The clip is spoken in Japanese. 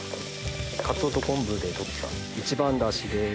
かつおと昆布で取った一番だしです。